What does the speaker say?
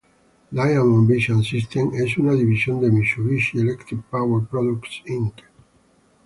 Diamond Vision Systems es una división de Mitsubishi Electric Power Products, Inc.